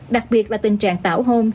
đặc biệt là tình trạng tảo hôn